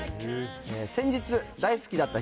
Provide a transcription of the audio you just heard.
先日、大好きだった